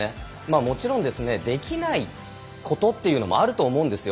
もちろん、できないことというのもあると思うんですよ。